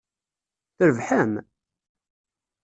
Trebḥem?